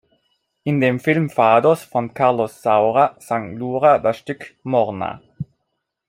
In dem Film Fados von Carlos Saura sang Lura das Stück "Morna".